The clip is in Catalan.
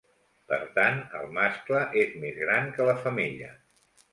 Per tant el mascle és més gran que la femella.